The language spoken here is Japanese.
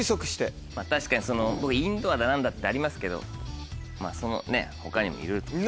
確かにその僕インドアだ何だってありますけどまぁそのねっ他にもいろいろ。